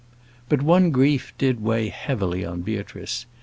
But one grief did weigh heavily on Beatrice.